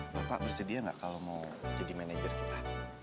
bapak bersedia gak kalo mau jadi manajer kita